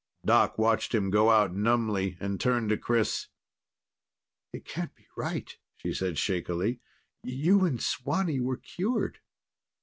Doc watched him go out numbly, and turned to Chris. "It can't be right," she said shakily. "You and Swanee were cured.